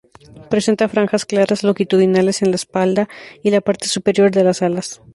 Presenta franjas claras longitudinales en la espalda y la parte superior de las alas.